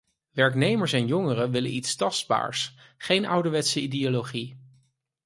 Werknemers en jongeren willen iets tastbaars, geen ouderwetse ideologie.